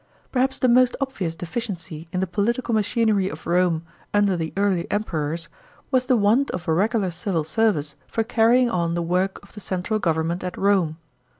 § 22. Perhaps the most obvious deficiency in the political machinery of Rome under the early Emperors, was the want of a regular civil service for carrying on the work of the central government at Rome.